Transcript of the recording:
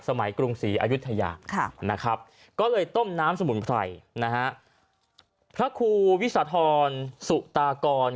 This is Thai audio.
กรุงศรีอายุทยานะครับก็เลยต้มน้ำสมุนไพรนะฮะพระครูวิสาธรสุตากร